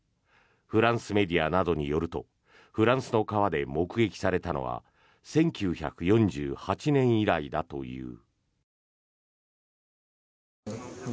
フランスメディアなどによるとフランスの川で目撃されたのは１９４８年以来だという。